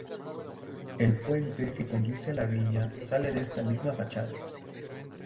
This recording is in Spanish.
El puente que conduce a la villa sale de esta misma fachada.